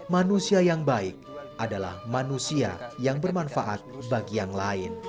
manusia yang baik adalah manusia yang bermanfaat bagi yang lain